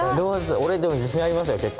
俺でも自信ありますよ結構。